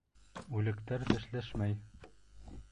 Үлектәр тешләшмәй.